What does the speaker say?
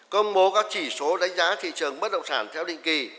công bố các chỉ số đánh giá thị trường bất động sản theo định kỳ